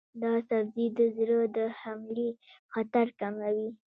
دا سبزی د زړه د حملې خطر کموي.